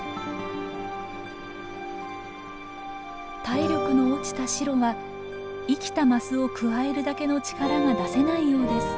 体力の落ちたシロは生きたマスをくわえるだけの力が出せないようです。